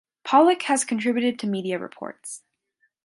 Pollak has contributed to media reports.